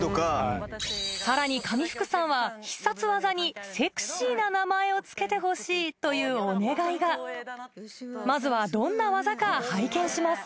さらに上福さんは必殺技にセクシーな名前を付けてほしいというお願いがまずはどんな技か拝見します